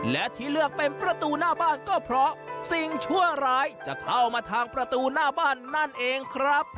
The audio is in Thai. และที่เลือกเป็นประตูหน้าบ้านก็เพราะสิ่งชั่วร้ายจะเข้ามาทางประตูหน้าบ้านนั่นเองครับ